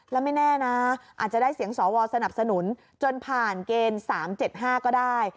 แล้วไม่แน่นะอาจจะได้เสียงสวสนับสนุนจนผ่านเกณฑ์๓๗๕ก็ได้